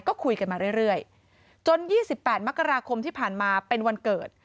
ก็คุยกันมาเรื่อยจน๒๘มกราคมที่ผ่านมาเป็นวันเกิด